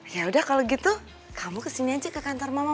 yaudah kalau gitu kamu kesini aja ke kantor mama